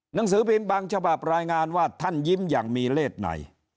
หนังสือพิมพ์บางฉบับรายงานว่าท่านยิ้มอย่างมีเลขไหน